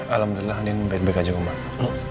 alhamdulillah andin baik baik aja ke rumah